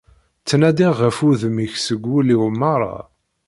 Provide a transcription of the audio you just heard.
Ttnadiɣ ɣef wudem-ik seg wul-iw merra.